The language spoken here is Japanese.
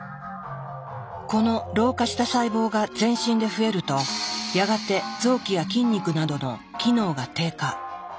この老化した細胞が全身で増えるとやがて臓器や筋肉などの機能が低下。